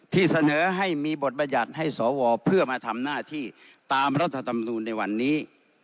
ที่เสนอให้มีบทบรรยัติให้สวเพื่อมาทำหน้าที่ตามรัฐธรรมนูลในวันนี้